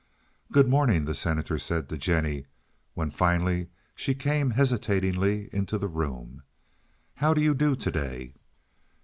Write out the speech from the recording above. "Good morning," the Senator said to Jennie, when finally she came hesitatingly into the room. "How do you do to day?"